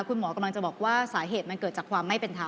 คุณหมอกำลังจะบอกว่าสาเหตุมันเกิดจากความไม่เป็นธรรม